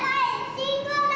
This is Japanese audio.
信号だ！